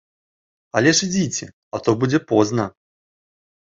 Але ж ідзіце, а то будзе позна!